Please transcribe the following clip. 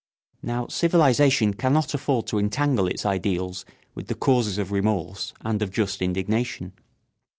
] Now civilisation cannot afford to entangle its ideals with the causes of remorse and of just indignation.